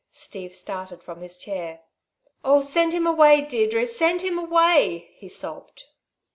Steve started from his chair. "Oh, send him away, Deirdre, send him away!" he sobbed.